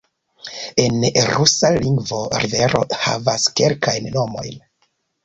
En rusa lingvo rivero havas kelkajn nomojn.